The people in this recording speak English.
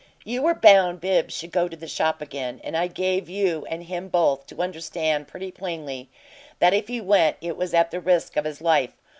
"You were bound Bibbs should go to the shop again, and I gave you and him, both, to understand pretty plainly that if he went it was at the risk of his life.